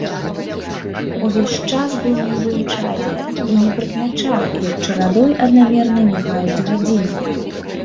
Увесь час быў нібы ў чадзе і не прыкмячаў, як чарадой аднамернай мігаюць гадзіны.